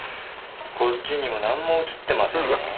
こっちにもなんも写ってませんねぇ。